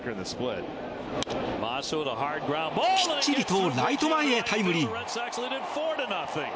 きっちりとライト前へタイムリー。